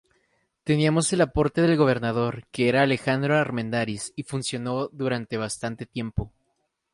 Teníamos el aporte del Gobernador, que era Alejandro Armendáriz, y funcionó durante bastante tiempo".